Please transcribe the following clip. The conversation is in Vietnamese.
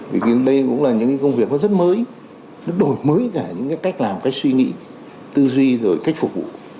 vì đây cũng là những cái công việc nó rất mới nó đổi mới cả những cái cách làm cách suy nghĩ tư duy rồi cách phục vụ